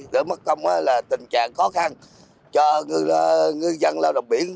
để mất công tình trạng khó khăn cho người dân lao động biển